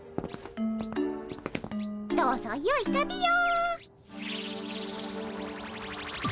どうぞよい旅を。